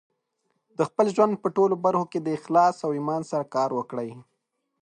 د خپل ژوند په ټولو برخو کې د اخلاص او ایمان سره کار وکړئ.